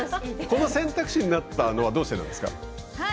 この選択肢になったのはどうしてなんですか。